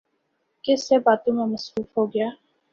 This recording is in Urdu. کسی سے باتوں میں مصروف ہوگیا